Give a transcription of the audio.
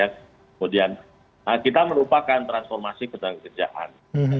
kemudian kita merupakan transformasi ke tenaga kerjaan